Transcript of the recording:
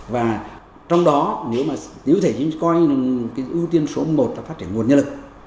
và trong đó nếu mà nếu thể chế chính sách coi như là cái ưu tiên số một là phát triển nguồn nhân lực